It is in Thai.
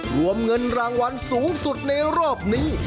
รวมเงินรางวัลสูงสุดในรอบนี้